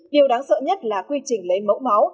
điều đáng sợ nhất là quy trình lấy mẫu máu